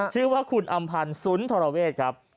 ชื่อว่าคุณอำพันธ์สุนทรเวศครับ